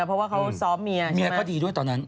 เพราะว่าเขาสอบเมียใช่มั้ย